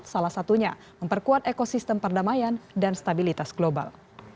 salah satunya memperkuat ekosistem perdamaian dan stabilitas global